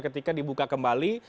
ketika dibuka kembali